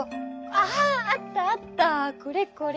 あああったあったこれこれ。